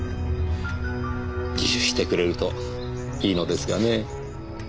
自首してくれるといいのですがね。